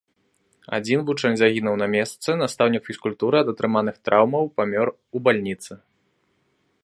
Адзін вучань загінуў на месцы, настаўнік фізкультуры ад атрыманых траўмаў памёр у бальніцы.